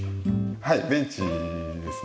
はいベンチですね。